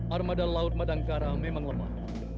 armada laut madangkara memang lemah